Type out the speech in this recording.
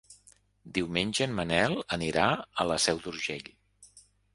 Diumenge en Manel anirà a la Seu d'Urgell.